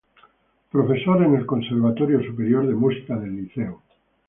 Profesor en el Conservatorio Superior de Música del Liceo.